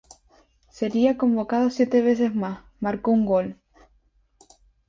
Sería convocado siete veces más, marcó un gol.